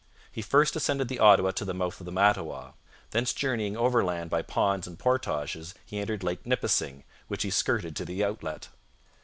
He first ascended the Ottawa to the mouth of the Mattawa. Thence journeying overland by ponds and portages he entered Lake Nipissing, which he skirted to the outlet.